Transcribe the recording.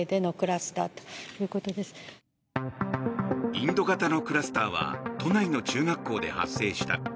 インド型のクラスターは都内の中学校で発生した。